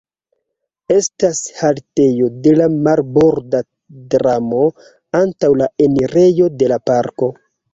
Estas haltejo de la marborda tramo antaŭ la enirejo de la parko.